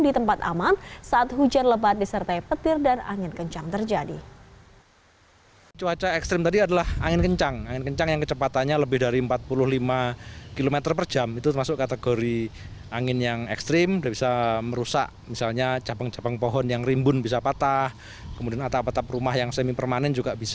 di tempat aman saat hujan lebat disertai petir dan angin kencang terjadi